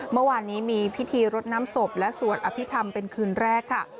เมื่อวานนี้มีพิธีรดน้ำศพและสวดอภิษฐรรมเป็นคืนแรกค่ะ